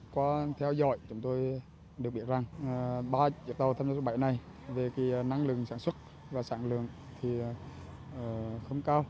qua theo dõi chúng tôi được biết rằng ba tàu một mươi bảy này về năng lượng sản xuất và sản lượng không cao